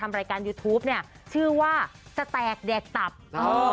รายการยูทูปเนี่ยชื่อว่าจะแตกแดกตับเออ